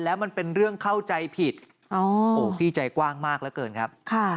แล้วมันเป็นเรื่องเข้าใจผิดพี่ใจกว้างมากเหลือเกินครับ